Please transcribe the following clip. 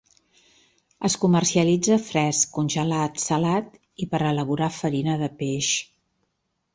Es comercialitza fresc, congelat, salat i per a elaborar farina de peix.